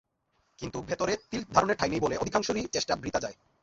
কিন্তু ভেতরে তিল ধারণের ঠাঁই নেই বলে অধিকাংশেরই চেষ্টা বৃথা যায়।